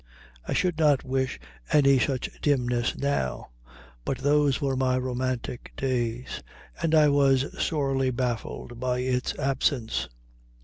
I should not wish any such dimness now; but those were my romantic days, and I was sorely baffled by its absence.